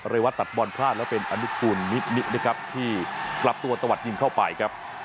วัตตัดบอลพลาดแล้วเป็นอนุกูลนิมินะครับที่ปรับตัวตะวัดยิงเข้าไปครับ